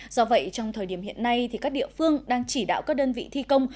do vậy trong thời điểm hiện nay các địa phương đang chỉ đạo các đơn vị thi công